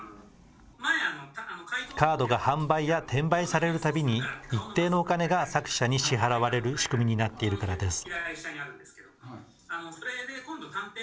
カードが販売や転売されるたびに、一定のお金が作者に支払われる仕組みになっているからです。